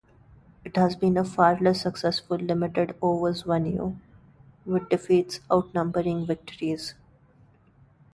It has been a far less successful limited-overs venue, with defeats outnumbering victories.